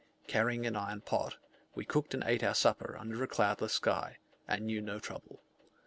Carrying an iron pot, we cooked and ate our supper under a cloudless sky, and knew no trouble.